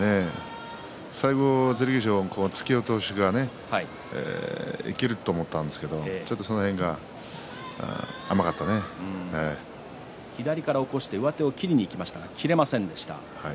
最後剣翔、突き落としが生きると思ったんですけど左から起こして上手を切りにいきましたが切れませんでした。